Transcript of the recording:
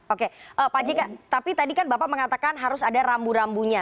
oke pak jk tapi tadi kan bapak mengatakan harus ada rambu rambunya